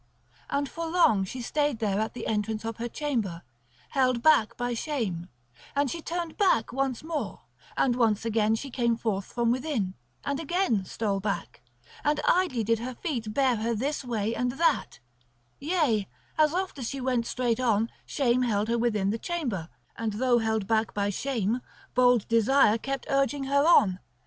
And for long she stayed there at the entrance of her chamber, held back by shame; and she turned back once more; and again she came forth from within, and again stole back; and idly did her feet bear her this way and that; yea, as oft as she went straight on, shame held her within the chamber, and though held back by shame, bold desire kept urging her on.